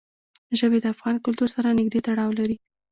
ژبې د افغان کلتور سره نږدې تړاو لري.